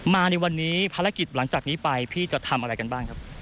ในวันนี้ภารกิจหลังจากนี้ไปพี่จะทำอะไรกันบ้างครับ